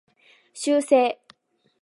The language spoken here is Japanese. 修正